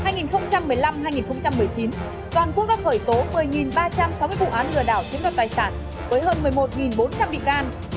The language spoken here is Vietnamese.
năm hai nghìn một mươi năm hai nghìn một mươi chín toàn quốc đã khởi tố một mươi ba trăm sáu mươi vụ án lừa đảo chiếm đoạt tài sản với hơn một mươi một bốn trăm linh bị can